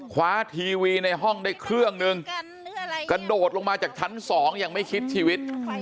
ทีวีในห้องได้เครื่องนึงกระโดดลงมาจากชั้น๒อย่างไม่คิดชีวิต